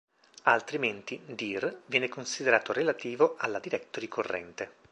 Altrimenti "dir" viene considerato relativo alla directory corrente.